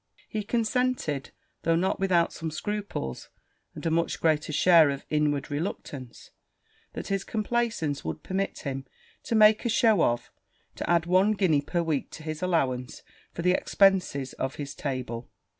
He consented, though not without some scruples, and a much greater share of inward reluctance than his complaisance would permit him to make shew of, to add one guinea per week to his allowance for the expences of his table.